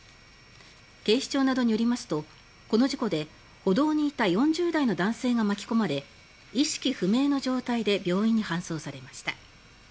警視庁などによりますとこの事故で歩道にいた４０代の男性が巻き込まれ意識不明の状態で病院に搬送されました。